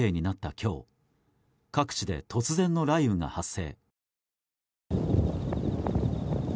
今日各地で突然の雷雨が発生。